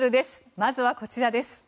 まずは、こちらです。